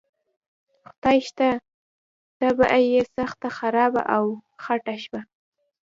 خدای شته طبعه یې سخته خرابه او خټه شوه.